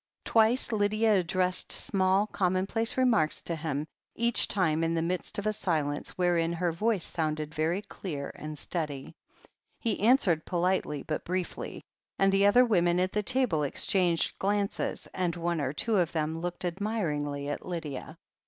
Twice Lydia addressed small, commonplace remarks to him, each time in the midst of a silence, wherein her voice sounded very dear and steady. He answered politely but briefly, and the other women at the table exchanged glances, and one or two of them looked admiringly at Lydia.